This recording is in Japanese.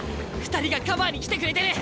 ２人がカバーに来てくれてる！